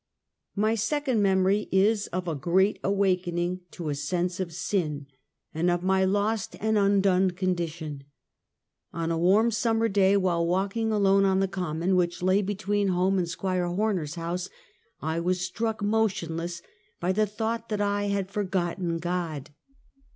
My second memory is of a "great awakening" to a sense of sin, and of my lost and undone condition. On a warm summer day, while walking alone on the common which lay between home and Squire Horner's house, I was struck motionless by the thought that I had forgotten God.